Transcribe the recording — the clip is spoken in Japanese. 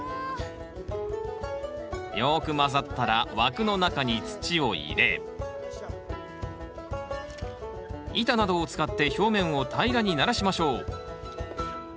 よく混ざったら枠の中に土を入れ板などを使って表面を平らにならしましょう